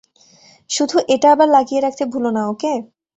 শুধু এটা আবার লাগিয়ে রাখতে ভুলো না, ওকে?